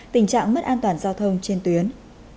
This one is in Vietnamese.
tình trạng mất an toàn giao thông trên tuyến